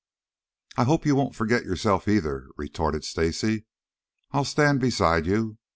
"I hope you won't forget yourself either," retorted Stacy. "I'll stand beside you.